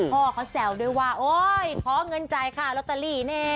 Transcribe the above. พ่อเขาแซวด้วยว่าโอ๊ยขอเงินจ่ายค่าลอตเตอรี่แน่